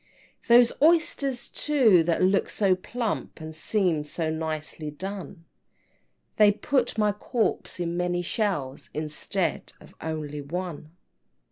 XI. "Those oysters, too, that look so plump, And seem so nicely done, They put my corpse in many shells, Instead of only one."